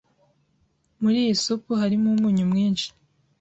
Muri iyi supu harimo umunyu mwinshi.